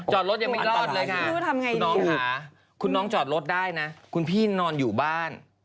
จอดรถยังไม่รอดเลยค่ะคุณน้องค่ะคุณน้องจอดรถได้นะคุณพี่นอนอยู่บ้าน